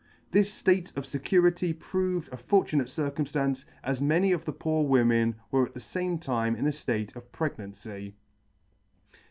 This fate of fecurity proved a fortunate cir cumftance, as many of the poor women were at the fame time in a fate of pregnancy.